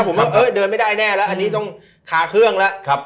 ผมว่าเออเดินไม่ได้แน่แล้วอันนี้ต้องขาเครื่องแล้ว